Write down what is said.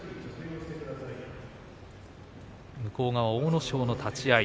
向こう側、阿武咲の立ち合い。